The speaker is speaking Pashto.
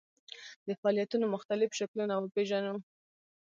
د فعالیتونو مختلف شکلونه وپېژنو.